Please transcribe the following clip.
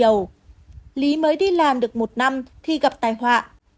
lý mới đi làm được một năm thì gặp tài họa